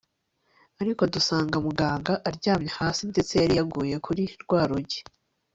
ariko dusanga muganga aryamye hasi ndetse yari yaguye kuri rwa rugi